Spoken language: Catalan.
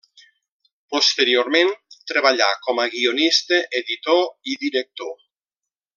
Posteriorment treballà com a guionista, editor i director.